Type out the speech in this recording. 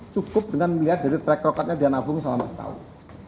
cukup dengan melihat dari trackrocketnya dia nabung selama setahun